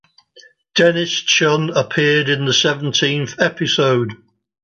Dennis Chun appeared in the seventeenth episode.